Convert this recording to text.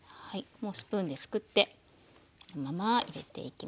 もうスプーンですくってこのまま入れていきます。